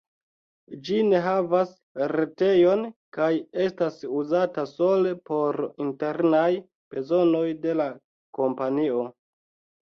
Ĝi ne havas retejon kaj estas uzata sole por internaj bezonoj de la kompanio.